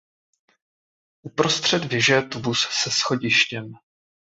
Uprostřed věže je tubus se schodištěm.